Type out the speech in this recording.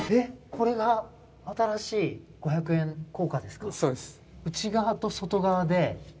これが新しい５００円硬貨ですか？